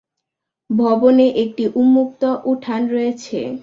ভবনে একটি উন্মুক্ত উঠান রয়েছে।